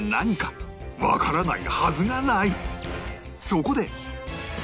そこで